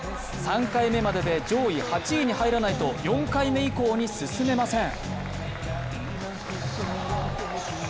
３回目までで上位８位に入らないと４回目以降に進めません。